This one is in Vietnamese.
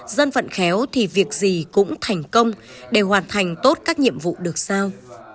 dân vận khéo thì việc gì cũng thành công để hoàn thành tốt các nhiệm vụ được sao